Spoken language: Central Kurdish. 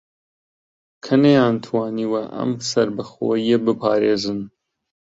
کە نەیانتوانیوە ئەم سەربەخۆیییە بپارێزن